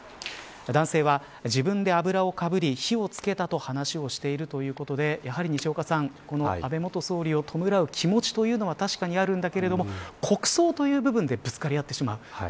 男性は自分で油をかぶり火を付けたと話をしているということでやはり、西岡さん安倍元総理を弔う気持ちは確かにあるんだけども国葬という部分でぶつかり合ってしまう。